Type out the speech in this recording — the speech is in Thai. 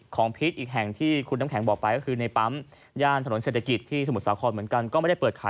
ก็น่าจะเป็นแฟนกันเป็นแฟนได้แหละแต่ว่าตอนเนี้ยก็ยังไม่มา